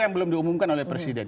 yang belum diumumkan oleh presiden